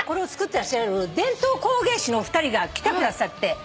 てらっしゃる伝統工芸士のお二人が来てくださって。